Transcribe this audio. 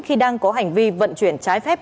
khi đang có hành vi vận chuyển trái phép